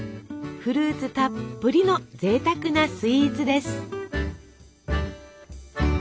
フルーツたっぷりのぜいたくなスイーツです！